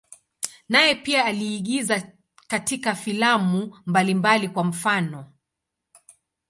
Naye pia aliigiza katika filamu mbalimbali, kwa mfano.